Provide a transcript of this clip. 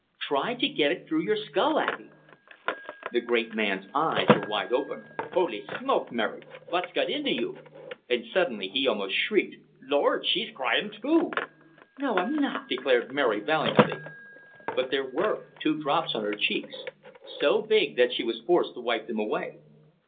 Try to get it through your skull, Abey!" The great man's eyes were wide open. "Holy smoke, Mary! Vot's got into you?" And suddenly he almost shrieked. "Lord! She's cryin' too!" "No, I'm not," declared Mary, vialiantly. But there were two drops on her cheeks, so big that she was forced to wipe them away.